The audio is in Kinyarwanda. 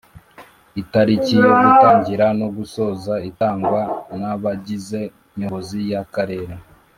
Itariki yo gutangira no gusoza itangwa nabagize nyobozi ya karere